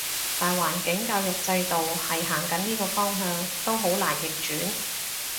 大環境教育制度係行緊呢個方向，都好難逆轉